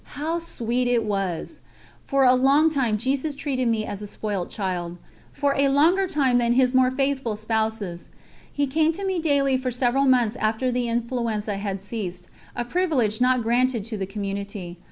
How sweet it was! For a long time Jesus treated me as a spoilt child, for a longer time than His more faithful Spouses. He came to me daily for several months after the influenza had ceased, a privilege not granted to the Community.